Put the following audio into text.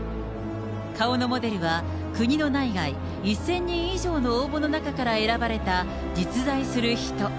顔のモデルは、国の内外１０００人以上の応募の中から選ばれた実在する人。